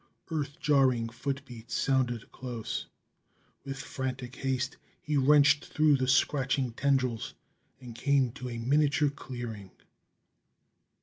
Earth jarring footbeats sounded close. With frantic haste he wrenched though the scratching tendrils and came to a miniature clearing.